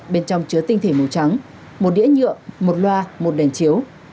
bên trong chứa tinh thể màu trắng một đĩa nhựa một loa một đèn chiếu